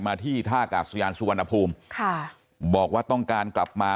ที่ท่ากาศยานสุวรรณภูมิค่ะบอกว่าต้องการกลับมา